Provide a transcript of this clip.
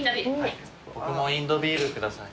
僕もインド・ビール下さい。